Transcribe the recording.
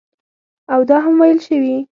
او دا هم ویل شوي